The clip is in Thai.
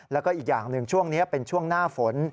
แล้วก็อีกอย่างหนึ่งช่วงนี้เป็นช่วงหน้าฝน